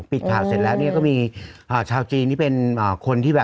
ปิดข่าวเสร็จแล้วเนี่ยก็มีชาวจีนที่เป็นคนที่แบบ